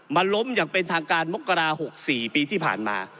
ล้มอย่างเป็นทางการมกรา๖๔ปีที่ผ่านมา